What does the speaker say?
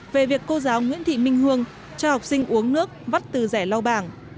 về việc cô giáo nguyễn thị minh hương cho học sinh uống nước bắt từ rẻ lau bảng